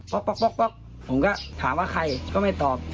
๊อกผมก็ถามว่าใครก็ไม่ตอบ